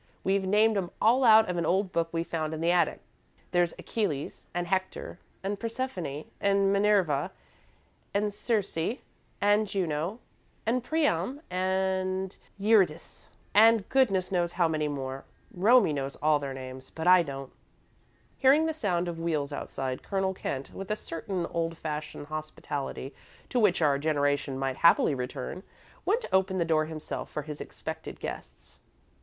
We've named 'em all out of an old book we found in the attic. There's Achilles, and Hector, and Persephone, and Minerva, and Circe and Juno, and Priam, and Eurydice, and goodness knows how many more. Romie knows all their names, but I don't." Hearing the sound of wheels outside, Colonel Kent, with a certain old fashioned hospitality to which our generation might happily return, went to open the door himself for his expected guests.